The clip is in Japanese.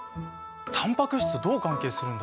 タンパク質とどう関係するんだろう？